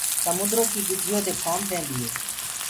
سموندرو ڪي ڳِجھيِو دي ڦوم ٽيندي هي۔